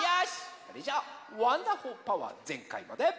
それじゃあワンダホー☆パワーぜんかいまで。